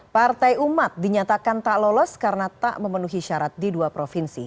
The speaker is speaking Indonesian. partai umat dinyatakan tak lolos karena tak memenuhi syarat di dua provinsi